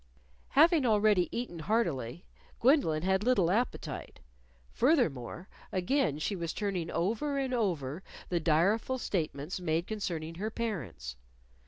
Having already eaten heartily, Gwendolyn had little appetite. Furthermore, again she was turning over and over the direful statements made concerning her parents.